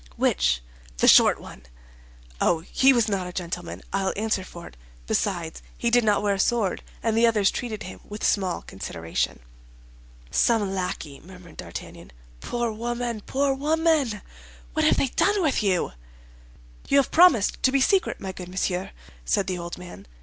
"Which?" "The short one." "Oh, he was not a gentleman, I'll answer for it; besides, he did not wear a sword, and the others treated him with small consideration." "Some lackey," murmured D'Artagnan. "Poor woman, poor woman, what have they done with you?" "You have promised to be secret, my good monsieur?" said the old man.